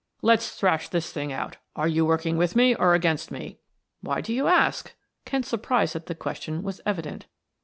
"Let's thrash this thing out; are you working with me or against me?" "Why do you ask?" Kent's surprise at the question was evident.